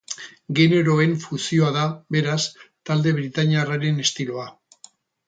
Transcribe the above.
Generoen fusioa da, beraz, talde britainiarraren estiloa.